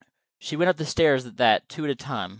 She went up the stairs at that, two at a time.